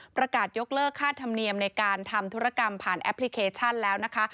ประกาศยกเลิกค่าธรรมเนียมในการทำธุรกรรมผ่านแอปพลิเคชันแล้วนะคะ